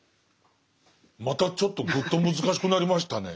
またちょっとぐっと難しくなりましたね